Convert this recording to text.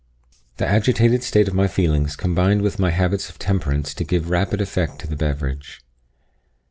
The agitated state of my feelings combined with my habits of temperance to give rapid effect to the beverage.